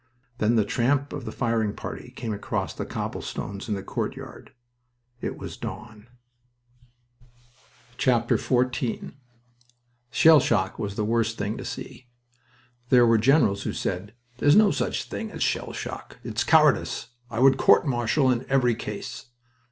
Then the tramp of the firing party came across the cobblestones in the courtyard. It was dawn. XIV Shell shock was the worst thing to see. There were generals who said: "There is no such thing as shell shock. It is cowardice. I would court martial in every case."